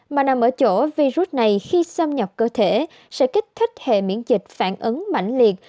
mà nằm ở chỗ virus này khi xâm nhập cơ thể sẽ kích thích hệ miễn dịch phản ứng mạnh liệt